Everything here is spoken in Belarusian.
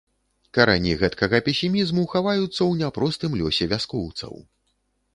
Карані гэткага песімізму хаваюцца ў няпростым лёсе вяскоўцаў.